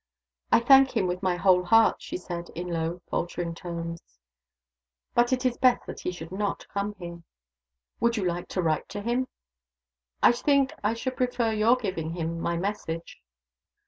"I thank him with my whole heart," she said, in low, faltering tones. "But it is best that he should not come here." "Would you like to write to him?" "I think I should prefer your giving him my message."